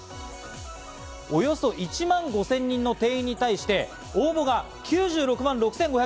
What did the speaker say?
およそ１万５０００人の定員に対し、応募が９６万６５５５人。